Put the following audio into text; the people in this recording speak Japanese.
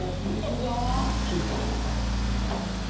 はっきり高さが。